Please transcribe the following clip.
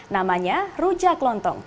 namanya rujak lontong